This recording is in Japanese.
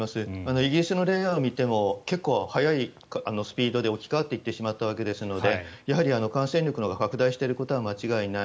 イギリスの例を見ても結構速いスピードで置き換わっていってしまったわけですのでやはり感染力が拡大していることは間違いない。